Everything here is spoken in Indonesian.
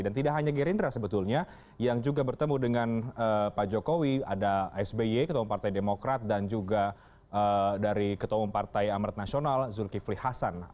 dan tidak hanya gerindra sebetulnya yang juga bertemu dengan pak jokowi ada sby ketua partai demokrat dan juga dari ketua partai amrat nasional zulkifli hasan